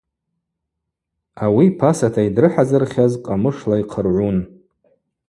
Ауи пасата йдрыхӏазырхьаз къамышла йхъыргӏвун.